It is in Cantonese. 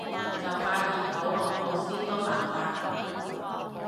就快連舞龍舞獅都犯法